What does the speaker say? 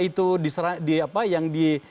itu diserang apa yang di